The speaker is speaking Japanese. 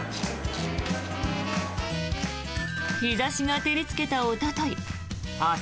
日差しが照りつけたおととい汗